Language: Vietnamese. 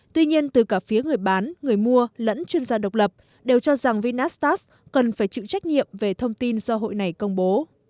tuy nhiên từ cả phía người bán người mua lẫn chuyên gia độc lập đều cho rằng vinastast cần phải chịu trách nhiệm về thông tin do hội này công bố